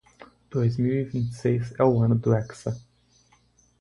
Dois mil e vinte seis é o ano do hexa.